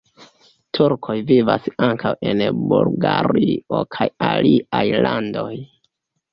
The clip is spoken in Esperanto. Turkoj vivas ankaŭ en Bulgario kaj aliaj landoj.